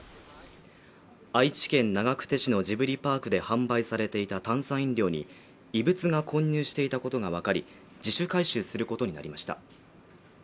愛知県長久手市のジブリパークで販売されていた炭酸飲料に異物が混入していたことが分かり自主回収することになりました